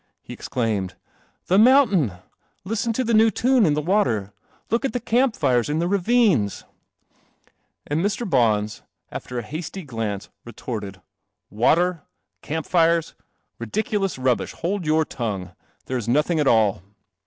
He exclaimed, "The mountain! Li ten to the new tune in the water' Look at the eainp tiro in the r.. . and Mr. Bona, after a hasty glance, retorted, "Water I Camp fires? Ridicu rubbish. Hold your tongue. There is no thing at all."